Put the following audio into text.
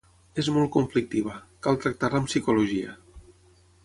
És molt conflictiva: cal tractar-la amb psicologia.